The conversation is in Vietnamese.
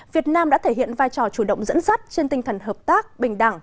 việt nam đã thể hiện vai trò chủ động dẫn dắt trên tinh thần hợp tác bình đẳng